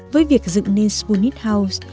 với việc dựng nên spoonit house